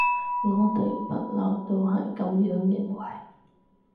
我哋不溜都係噉樣認為